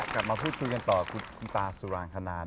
กลับมาพูดคุยกันต่อคุณตาสุรางคณา